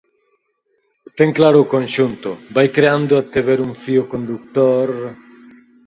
Ten claro o conxunto, vai creando até ver un fío condutor...?